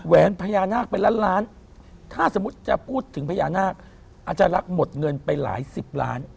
แหนพญานาคเป็นล้านล้านถ้าสมมุติจะพูดถึงพญานาคอาจารย์ลักษณ์หมดเงินไปหลายสิบล้าน